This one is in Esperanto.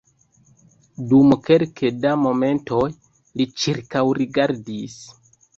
Dum kelke da momentoj li ĉirkaŭrigardis.